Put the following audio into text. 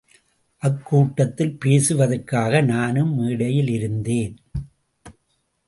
அக்கூட்டத்தில் பேசுவதற்காக நானும் மேடையிலிருந்தேன்.